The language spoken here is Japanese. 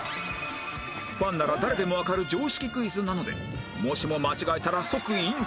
ファンなら誰でもわかる常識クイズなのでもしも間違えたら即引退！